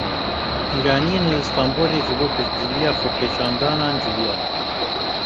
Îraniyên li Stenbolê ji bo piştgiriya xwepêşandanan civiyan.